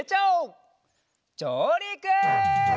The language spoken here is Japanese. じょうりく！